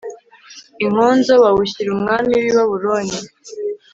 inkonzo bawushyira umwami w i babuloni